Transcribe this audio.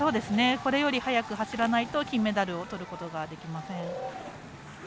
これより速く走らないと金メダルをとることができません。